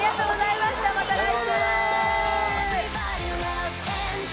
また来週！